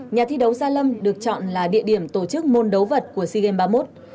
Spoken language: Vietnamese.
nhà thi đấu gia lâm được chọn là địa điểm tổ chức môn đấu vật của sea games ba mươi một